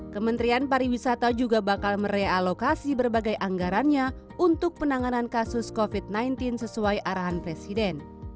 kementerian pariwisata juga bakal merealokasi berbagai anggarannya untuk penanganan kasus covid sembilan belas sesuai arahan presiden